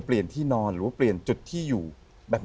พี่น้องรู้ไหมว่าพ่อจะตายแล้วนะ